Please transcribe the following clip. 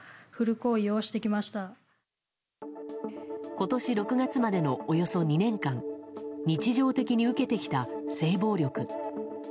今年６月までのおよそ２年間日常的に受けてきた性暴力。